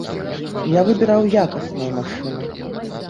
Я выбіраў якасную машыну.